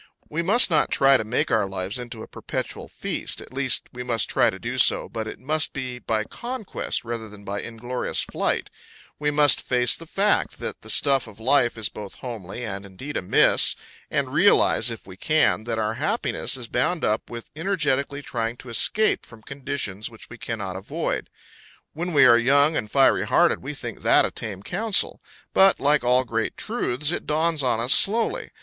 We must not try to make our lives into a perpetual feast; at least we must try to do so, but it must be by conquest rather than by inglorious flight; we must face the fact that the stuff of life is both homely and indeed amiss, and realise, if we can, that our happiness is bound up with energetically trying to escape from conditions which we cannot avoid. When we are young and fiery hearted, we think that a tame counsel; but, like all great truths, it dawns on us slowly.